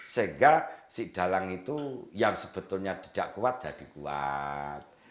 sehingga si dalang itu yang sebetulnya tidak kuat jadi kuat